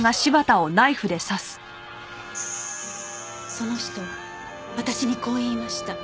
その人私にこう言いました。